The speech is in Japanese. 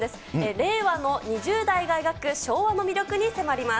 令和の２０代が描く昭和の魅力に迫ります。